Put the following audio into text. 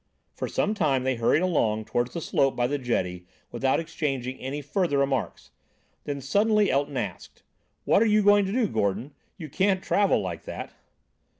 For some time they hurried along towards the slope by the jetty without exchanging any further remarks; then suddenly, Elton asked: "What are you going to do, Gordon? You can't travel like that."